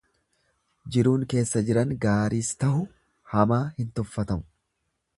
Jiruun keessa jiran gaariis tahu hamaa hin tuffatamu.